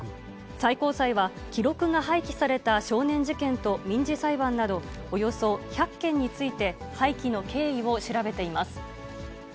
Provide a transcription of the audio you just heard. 最高裁は、記録が廃棄された少年事件と民事裁判など、およそ１００件について、廃棄の経緯を調べています。